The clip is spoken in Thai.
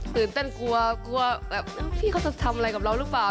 ตื่นเต้นกลัวพี่เขาจะทำอะไรกับเรารึเปล่า